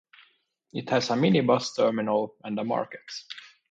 It has a mini bus terminal and a market.